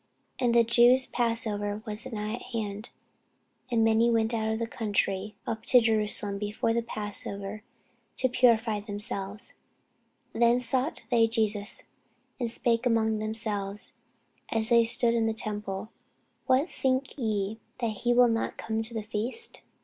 And the Jews' passover was nigh at hand: and many went out of the country up to Jerusalem before the passover, to purify themselves. Then sought they for Jesus, and spake among themselves, as they stood in the temple, What think ye, that he will not come to the feast?